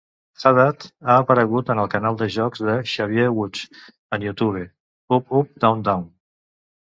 Haddad ha aparegut en el canal de jocs de Xavier Woods en YouTube "UpUpDownDown".